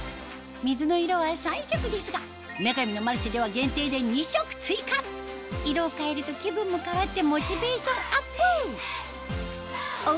水の色は３色ですが『女神のマルシェ』では限定で２色追加色を変えると気分も変わってモチベーションアップ！